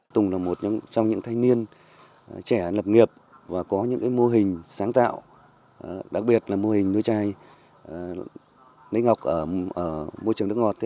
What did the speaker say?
tùng là một trong những thanh niên trẻ lập nghiệp và có những mô hình sáng tạo đặc biệt là mô hình nuôi chai nước ở môi trường nước ngọt